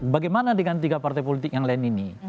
bagaimana dengan tiga partai politik yang lain ini